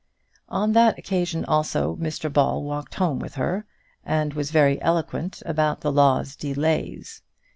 On that occasion also Mr Ball walked home with her, and was very eloquent about the law's delays.